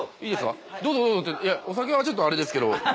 どうぞってお酒はちょっとあれですけど。